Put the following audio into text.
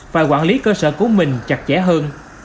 và quản lý cơ sở của mình chặt chẽ hơn